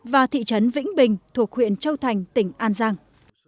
và thị trấn vĩnh bình thuộc huyện châu thành tỉnh an giang